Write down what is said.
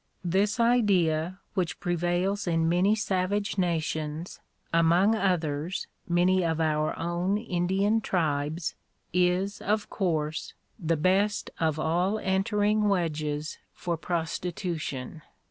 This idea, which prevails in many savage nations, among others, many of our own Indian tribes, is, of course, the best of all entering wedges for prostitution.